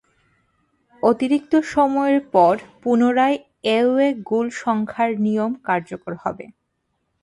অতিরিক্ত সময়ের পর পুনরায় অ্যাওয়ে গোল সংখ্যার নিয়ম কার্যকর হবে।